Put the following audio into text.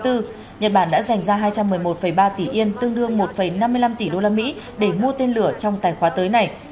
nhật bản đã dành ra hai trăm một mươi một ba tỷ yên tương đương một năm mươi năm tỷ usd để mua tên lửa trong tài khoá tới này